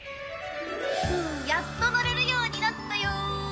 やっとのれるようになったよ！